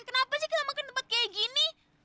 kenapa sih kita makan tempat kayak gini